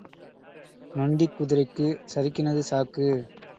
நொண்டிக் குதிரைக்குச் சறுக்கினது சாக்கு.